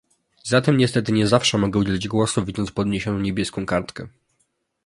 Zatem niestety nie zawsze mogę udzielić głosu widząc podniesioną niebieską kartkę